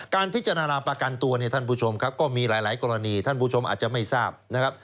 การพิจารณาประกันตัวเนี่ยท่านผู้ชมครับก็มีหลายกรณีท่านผู้ชมอาจจะไม่ทราบนะครับ